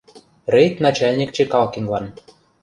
— Рейд начальник Чекалкинлан.